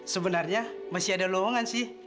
sebenarnya masih ada lowongan sih